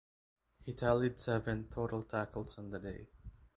He tallied seven total tackles on the day.